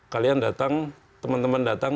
kalian datang teman teman datang